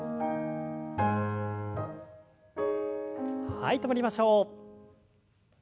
はい止まりましょう。